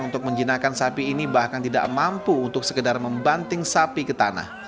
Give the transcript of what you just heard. untuk menjinakkan sapi ini bahkan tidak mampu untuk sekedar membanting sapi ke tanah